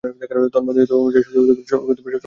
তন্মধ্যে তনুজা সফল অভিনেত্রী ছিলেন।